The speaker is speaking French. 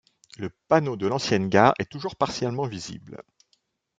Le panneau de l'ancienne gare est toujours partiellement visible.